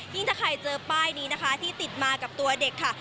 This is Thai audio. ถ้าใครเจอป้ายนี้นะคะที่ติดมากับตัวเด็กค่ะ